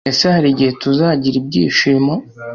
Ese hari igihe tuzagira ibyishimo